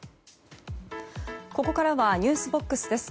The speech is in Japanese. ここからはｎｅｗｓＢＯＸです。